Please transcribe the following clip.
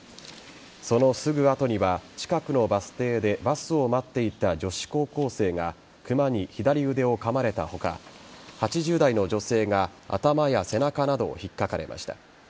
そのすぐ後には近くのバス停でバスを待っていた女子高校生がクマに左腕をかまれた他８０代の女性が頭や背中などを引っかかれました。